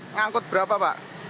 mengangkut berapa pak